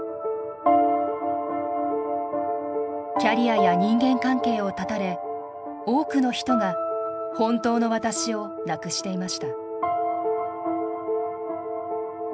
キャリアや人間関係を絶たれ多くの人が「本当の私」をなくしていました。